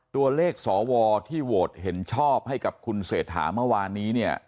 สวที่โหวตเห็นชอบให้กับคุณเศรษฐาเมื่อวานนี้เนี่ย